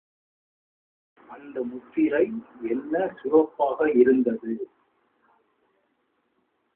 அந்த முத்திரை என்ன சிவப்பாக இருந்தது!